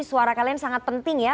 suara kalian sangat penting ya